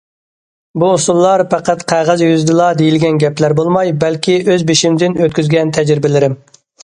بۇ ئۇسۇللار پەقەت قەغەز يۈزىدىلا دېيىلگەن گەپلەر بولماي، بەلكى ئۆز بېشىمدىن ئۆتكۈزگەن تەجرىبىلىرىم.